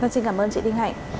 xin cảm ơn chị đinh hạnh